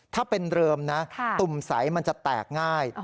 ถ้าเป็นเริมนะตุ่มใสมันจะแตกง่าย